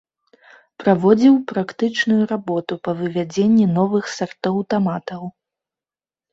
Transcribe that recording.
Праводзіў практычную работу па вывядзенні новых сартоў таматаў.